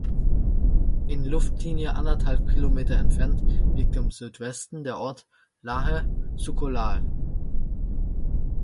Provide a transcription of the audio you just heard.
In Luftlinie anderthalb Kilometer entfernt liegt im Südwesten der Ort Lahae (Suco Lahae).